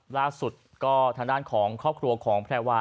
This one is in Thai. ล่าสุดก็ทางด้านของครอบครัวของแพรวา